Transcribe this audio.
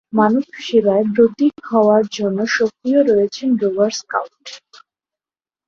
মানবসেবায় ব্রতী হওয়ার জন্য সক্রিয় রয়েছে রোভার স্কাউট।